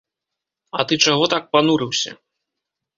А ты чаго так панурыўся?